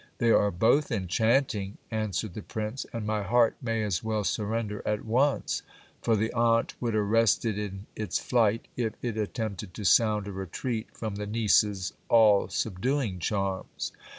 They are both enchanting, answered the prince, and my heart may as well surrender at once ; for the aunt would arrest it in its flight, if it attempted to sound a retreat from the niece's all subduing charms.